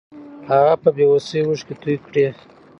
هغه په بې وسۍ اوښکې توې کړې.